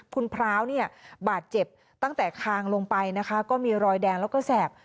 คุณพร้าวเนี่ยบาดเจ็บตั้งแต่คางลงไปนะคะก็มีรอยแดงแล้วก็แสบ